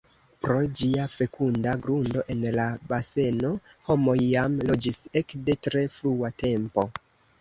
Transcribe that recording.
Pro ĝia fekunda grundo en la baseno homoj jam loĝis ekde tre frua tempo.